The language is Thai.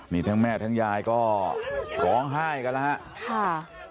นี่ทั้งแม่ทั้งยายก็ร้องไห้กันแล้วฮะค่ะ